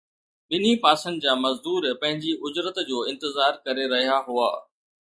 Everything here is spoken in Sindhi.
ٻنهي پاسن جا مزدور پنهنجي اجرت جو انتظار ڪري رهيا هئا